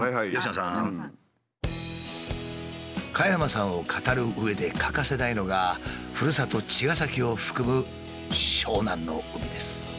加山さんを語るうえで欠かせないのがふるさと茅ヶ崎を含む湘南の海です。